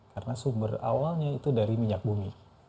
karena sumber awalnya itu dari minyak bumi